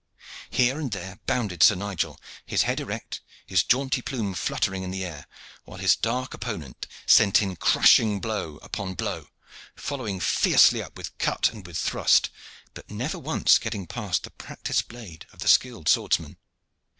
Here and there bounded Sir Nigel, his head erect, his jaunty plume fluttering in the air, while his dark opponent sent in crashing blow upon blow, following fiercely up with cut and with thrust, but never once getting past the practised blade of the skilled swordsman.